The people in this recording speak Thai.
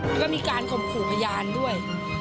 แล้วก็มีการข่มขู่พยานด้วย